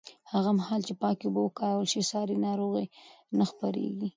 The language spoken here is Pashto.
هغه مهال چې پاکې اوبه وکارول شي، ساري ناروغۍ نه خپرېږي.